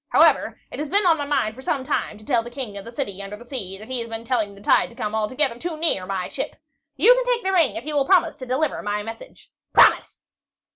However, it has been on my mind for some time to tell the King of the City under the Sea that he's been telling the tide to come altogether too near my ship. You can take the ring if you will promise to deliver my message. Promise!"